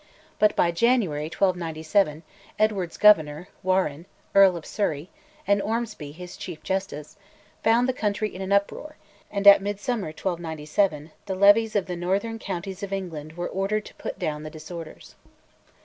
But by January 1297, Edward's governor, Warenne, Earl of Surrey, and Ormsby, his Chief Justice, found the country in an uproar, and at midsummer 1297 the levies of the northern counties of England were ordered to put down the disorders.